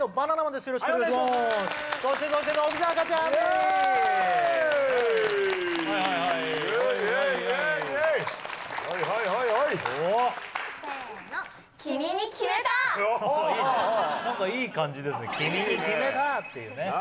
なんかいい感じですね